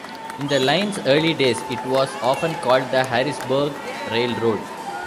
In the line's early days, it was often called the Harrisburg Railroad.